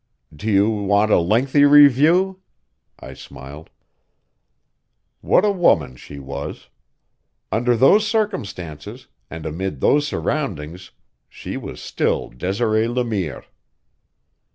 "Do you want a lengthy review?" I smiled. What a woman she was! Under those circumstances, and amid those surroundings, she was still Desiree Le Mire.